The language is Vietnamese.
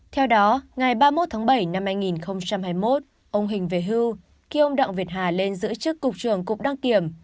theo đó ngày ba mươi một tháng bảy năm hai nghìn hai mươi một ông hình về hưu khi ông đặng việt hà lên giữ chức cục trưởng cục đăng kiểm